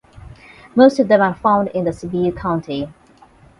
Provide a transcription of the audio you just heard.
Most of them are found in the Sibiu County.